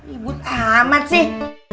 ibut amat sih